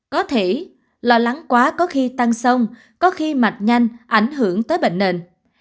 có thể lo lắng quá có khi tăng sông có khi mạch nhanh ảnh hưởng tới bệnh nền